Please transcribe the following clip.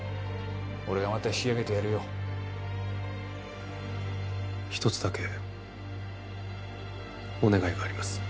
俺がまた引き上げてやるよ一つだけお願いがあります